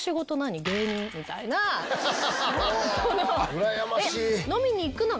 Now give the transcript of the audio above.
うらやましい！